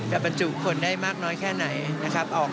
บรรจุคนได้มากน้อยแค่ไหนนะครับ